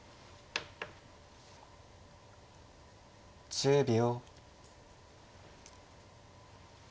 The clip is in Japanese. １０秒。